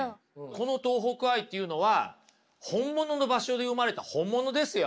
この東北愛っていうのは本物の場所で生まれた本物ですよ。